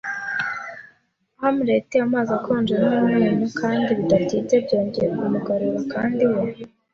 hamlet, amazi akonje n'umunyu kandi bidatinze byongeye kumugarura, kandi we